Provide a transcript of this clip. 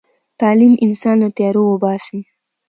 تعلیم انسان له تیارو وباسي.